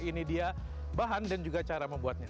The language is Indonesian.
ini dia bahan dan juga cara membuatnya